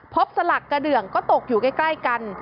สลักกระเดืองก็ตกอยู่ใกล้กัน